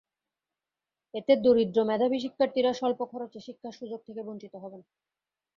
এতে দরিদ্র মেধাবী শিক্ষার্থীরা স্বল্প খরচে শিক্ষার সুযোগ থেকে বঞ্চিত হবেন।